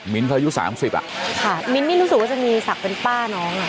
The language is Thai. มิ้นเค้าอายุ๓๐อ่ะค่ะมิ้นนี่รู้สึกว่าจะมีสักเป็นป้าน้องอ่ะ